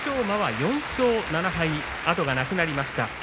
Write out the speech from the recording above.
馬は４勝７敗後がなくなりました。